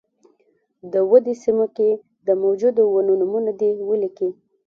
د ودې سیمو کې د موجودو ونو نومونه دې ولیکي.